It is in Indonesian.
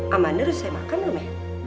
amanda harus saya makan loh me